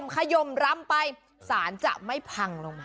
ขยมรำไปสารจะไม่พังลงมา